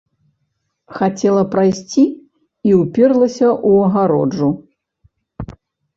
Хацела прайсці і ўперлася ў агароджу.